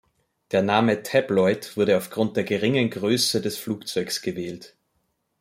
Der Name "Tabloid" wurde aufgrund der geringen Größe des Flugzeugs gewählt.